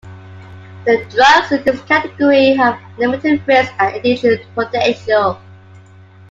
The drugs in this category have limited risk and addiction potential.